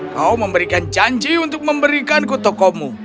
kau memberikan janji untuk memberikanku tokomu